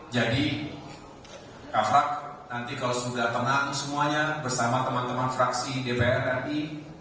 jadi kak frag nanti kalau sudah tenang semuanya bersama teman teman fraksi dpr tadi